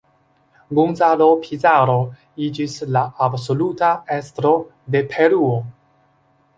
Gonzalo Pizarro iĝis la absoluta estro de Peruo.